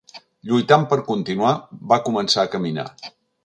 Lluitant per continuar, va començar a caminar.